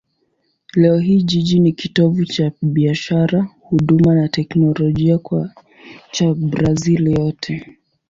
Leo hii jiji ni kitovu cha biashara, huduma na teknolojia cha Brazil yote.